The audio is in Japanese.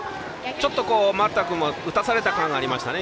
丸田君も打たされた感がありましたね